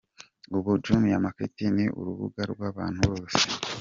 ubu Jumia Market ni urubuga rw’abantu bose.